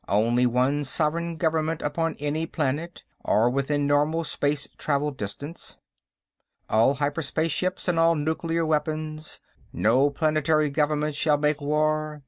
Only one sovereign government upon any planet, or within normal space travel distance.... All hyperspace ships, and all nuclear weapons.... No planetary government shall make war